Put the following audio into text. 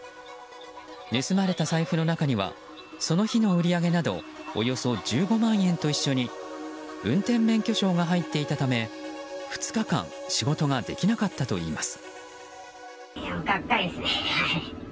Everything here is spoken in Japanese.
盗まれた財布の中にはその日の売り上げなどおよそ１５万円と一緒に運転免許証が入っていたため２日間仕事ができなかったといいます。